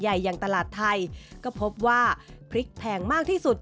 อย่างตลาดไทยก็พบว่าพริกแพงมากที่สุด